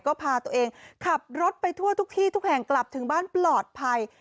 ก็พาตัวเองขับรถไปทั่วทุกที่ทุกแห่งกลับถึงบ้านปลอดภัย